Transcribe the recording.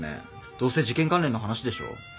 どうせ事件関連の話でしょう？